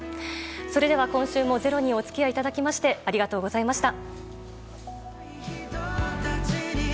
それでは今週も「ｚｅｒｏ」にお付き合いいただきましてありがとうございました。